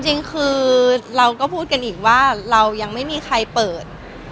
จริงคือเราก็พูดกันอีกว่าเรายังไม่มีใครเปิด